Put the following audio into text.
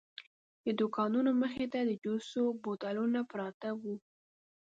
د دوکانونو مخې ته د جوسو بوتلونه پراته وو.